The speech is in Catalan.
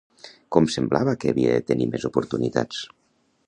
Com semblava que havia de tenir més oportunitats?